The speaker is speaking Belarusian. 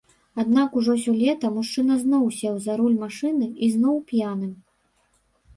Аднак ужо сёлета мужчына зноў сеў за руль машыны і зноў п'яным.